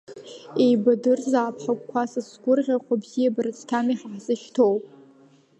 Еибадырзаап ҳагәқәа, са сгәырӷьахә, абзиабара цқьами ҳа ҳзышьҭоу.